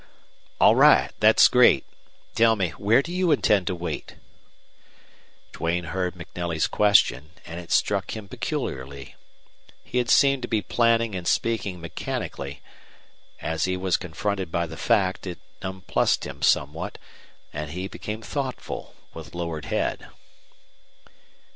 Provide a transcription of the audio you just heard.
"All right. That's great. Tell me, where do you intend to wait?" Duane heard MacNelly's question, and it struck him peculiarly. He had seemed to be planning and speaking mechanically. As he was confronted by the fact it nonplussed him somewhat, and he became thoughtful, with lowered head.